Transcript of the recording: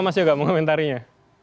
mas yoga mengomentarinya